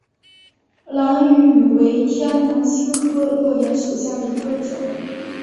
兰屿芋为天南星科落檐属下的一个种。